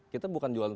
kita bukan jualan